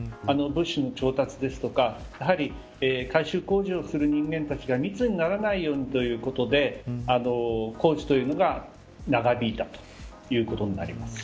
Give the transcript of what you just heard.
物資の調達や改修工事をする人間たちが密にならないようにということで工事が長引いたということになります。